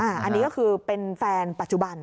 อันนี้ก็คือเป็นแฟนปัจจุบัน